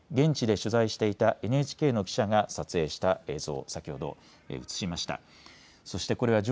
安倍元総理大臣が倒れた際、現地で取材していたＮＨＫの記者が撮影した映像、先ほど映しました。